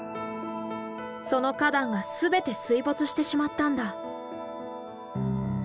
その花壇が全て水没してしまったんだ。